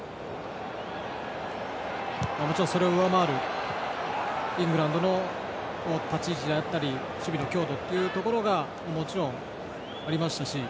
もちろんそれを上回るイングランドの立ち位置だったり守備の強度というところがもちろんありましたし。